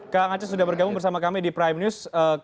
kak angaca sudah bergabung bersama kami di prime news